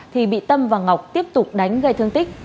thì bị tâm và ngọc tiếp tục đánh gây thương tích